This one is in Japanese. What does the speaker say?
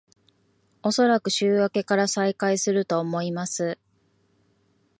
おそらく週明けから再開すると思います